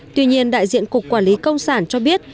tuy nhiên đại diện cục quản lý công sản cho biết